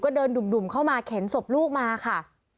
เดินดุ่มเข้ามาเข็นศพลูกมาค่ะ